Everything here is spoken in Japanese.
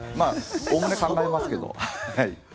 おおむね考えますけど。